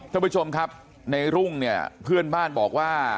ท่านผู้ชมครับในรุ่งเนี่ยเพื่อนบ้านบอกว่า